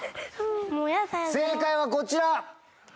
正解はこちら！